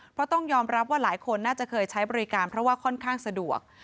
เพราะต้องยอมรับว่าหลายคนน่าจะเคยใช้บริการเพราะว่าค่อนข้างสะดวก